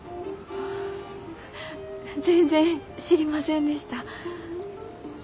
あ全然知りませんでした。